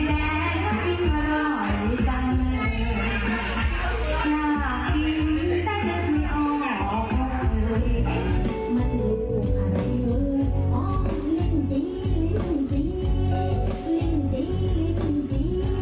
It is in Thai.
ลินจี้ลินจี้ลินจี้ลินจี้